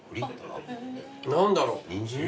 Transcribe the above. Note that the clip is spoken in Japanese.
何だろう？